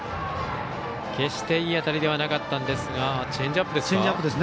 決していい当たりではなかったんですがチェンジアップですか。